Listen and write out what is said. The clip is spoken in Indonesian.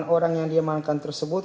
orang yang diamankan tersebut